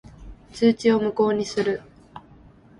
通知を無効にする。